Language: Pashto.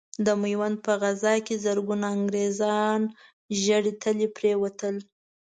د ميوند په غزا کې زرګونه انګرېزان ژړې تلې پرې وتل.